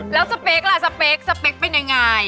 แล้วสเปคล่ะสเปคสเปคเป็นยังไง